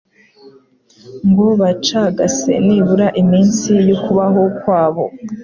ngo bacagase nibura iminsi y’ukubaho kwabo